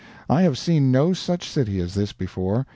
I have seen no such city as this before.